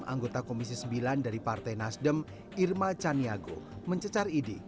anggota komisi sembilan dari partai nasdem irma caniago mencecar idi